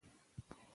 جبار ته ورکړې.